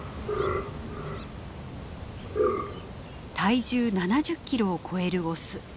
体重７０キロを超えるオス。